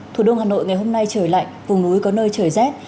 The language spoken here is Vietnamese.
thủ đô hà nội ngày hôm nay trời lạnh vùng núi có nơi trời rét